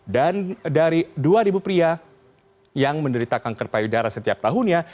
dan dari dua pria yang menderita kanker payudara setiap tahunnya